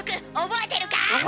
覚えてる！